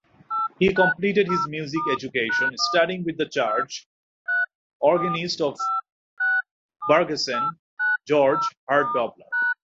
He completed his music education studying with the church organist of Burghausen, Georg Hartdobler.